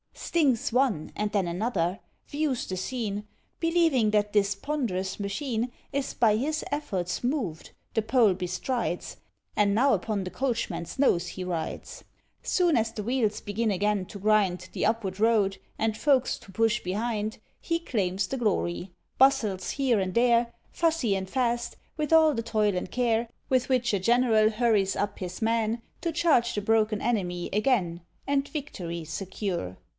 Stings one, and then another; views the scene: Believing that this ponderous machine Is by his efforts moved, the pole bestrides; And now upon the coachman's nose he rides. Soon as the wheels begin again to grind The upward road, and folks to push behind, He claims the glory; bustles here and there, Fussy and fast, with all the toil and care With which a general hurries up his men, To charge the broken enemy again, And victory secure.